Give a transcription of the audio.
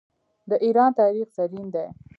د ایران تاریخ زرین دی.